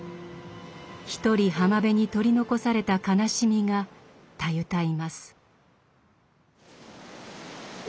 一人浜辺に取り残された悲しみがたゆたいます。